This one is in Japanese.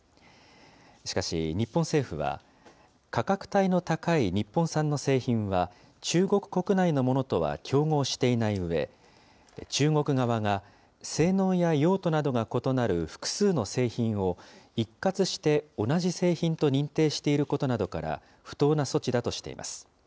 しかし日本政府は、価格帯の高い日本産の製品は、中国国内のものとは競合していないうえ、中国側が性能や用途などが異なる複数の製品を、一括して同じ製品と認定していることなどから、不当な措置だとしています。